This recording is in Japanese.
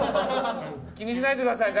気にしないでください。